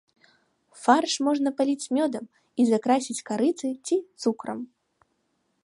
Фарш можна паліць мёдам і закрасіць карыцай ці цукрам.